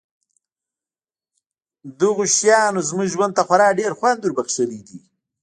دغو شیانو زموږ ژوند ته خورا ډېر خوند وربښلی دی